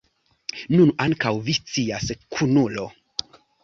Nun ankaŭ vi scias, kunulo.